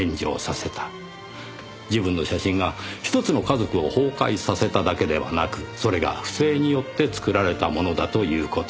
自分の写真がひとつの家族を崩壊させただけではなくそれが不正によって作られたものだという事。